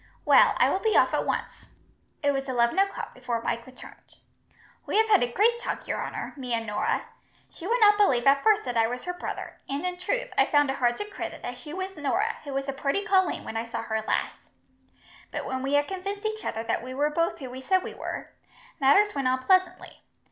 Well, I will be off at once." It was eleven o'clock before Mike returned. "We have had a great talk, your honour, me and Norah. She would not believe at first that I was her brother, and in truth, I found it hard to credit that she was Norah, who was a purty colleen when I saw her last; but when we had convinced each other that we were both who we said we were, matters went on pleasantly.